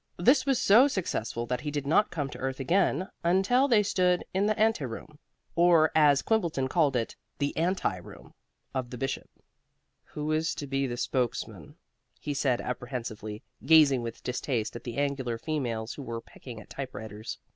This was so successful that he did not come to earth again until they stood in the ante room or as Quimbleton called it, the anti room of the Bishop. "Who is to be spokesman?" he said apprehensively, gazing with distaste at the angular females who were pecking at typewriters.